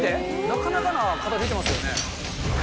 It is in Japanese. なかなかの方出てますよね。